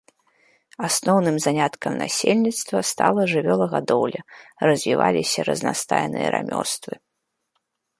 Асноўным заняткам насельніцтва стала жывёлагадоўля, развіваліся разнастайныя рамёствы.